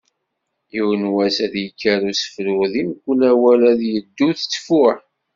Yiwen wass ad d-yekker usefru, di mkul awal ad d-yeddu ttfuh”.